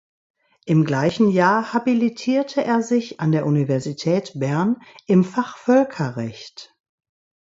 Im gleichen Jahr habilitierte er sich an der Universität Bern im Fach Völkerrecht.